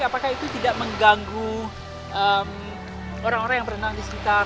apakah itu tidak mengganggu orang orang yang berenang di sekitar